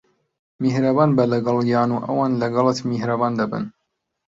میھرەبان بە لەگەڵیان، و ئەوان لەگەڵت میھرەبان دەبن.